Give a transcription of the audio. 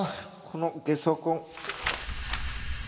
このゲソ痕。